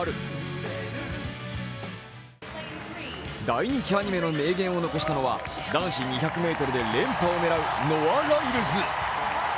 大人気アニメの名言を残したのは男子２００ｍで連覇を狙うノア・ライルズ。